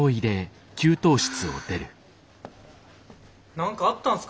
何かあったんすか？